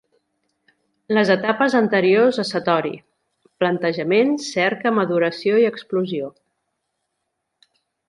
Les etapes anteriors a satori: plantejament, cerca, maduració i explosió.